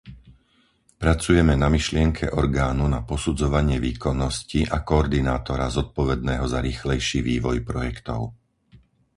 Pracujeme na myšlienke orgánu na posudzovanie výkonnosti a koordinátora zodpovedného za rýchlejší vývoj projektov.